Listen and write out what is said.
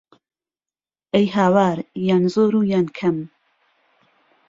ئهی هاوار یان زۆر و یان کهم